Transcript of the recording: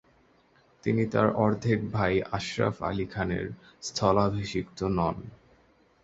তিনি তার অর্ধেক ভাই আশরাফ আলী খানের স্থলাভিষিক্ত হন।